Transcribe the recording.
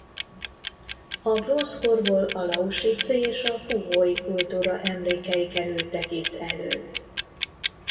A bronzkorból a lausitzi és a puhói kultúra emlékei kerültek itt elő.